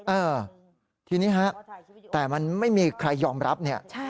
เออทีนี้ฮะแต่มันไม่มีใครยอมรับเนี่ย